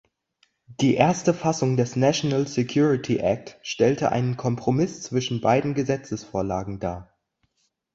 Die erste Fassung des National Security Act stellte einen Kompromiss zwischen beiden Gesetzesvorlagen dar.